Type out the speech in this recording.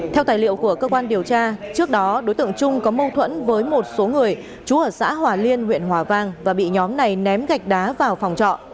theo tài liệu của cơ quan điều tra trước đó đối tượng trung có mâu thuẫn với một số người trú ở xã hòa liên huyện hòa vang và bị nhóm này ném gạch đá vào phòng trọ